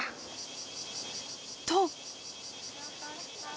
と。